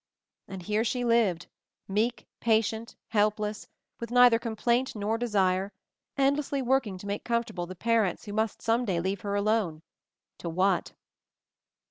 And here she lived, meek, patient, help less, with neither complaint nor desire, end lessly working to make comfortable the pa rents who must some day leave her alone — to what